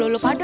lu luluh pada